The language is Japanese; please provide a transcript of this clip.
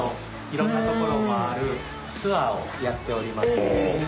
いろんな所を回るツアーをやっております。